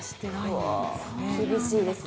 おお厳しいですね。